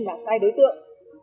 là sai đối tượng